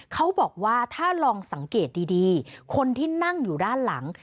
เขาบอกว่าถ้าลองสังเกตดีคนที่นั่งอยู่ด้านหลัง